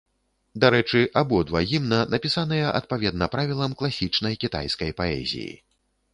Дарэчы, абодва гімна напісаныя адпаведна правілам класічнай кітайскай паэзіі.